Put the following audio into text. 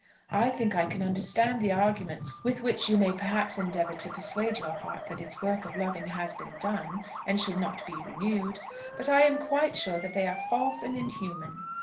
I think I can understand the arguments with which you may perhaps endeavour to persuade your heart that its work of loving has been done, and should not be renewed; but I am quite sure that they are false and inhuman.